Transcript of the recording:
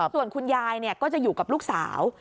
ส่วนคุณยายก็จะอยู่กับลูกสาว